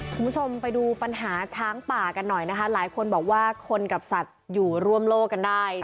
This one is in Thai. คุณผู้ชมไปดูปัญหาช้างป่ากันหน่อยนะคะหลายคนบอกว่าคนกับสัตว์อยู่ร่วมโลกกันได้